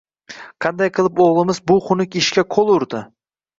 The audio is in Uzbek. Qanday qilib o`g`limiz bu xunuk ishga qo`l urdi